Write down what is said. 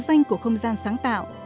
danh của không gian sáng tạo